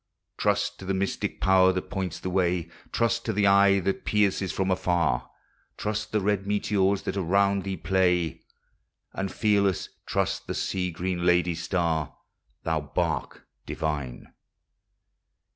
Trust to the mystic power that points thy way, Trust to the eye that pierces from afar ; Trust the red meteors that around thee play. And, fearless, trust the Sea Green Lady's star. Thou bark divine!